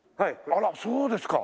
あらそうですか。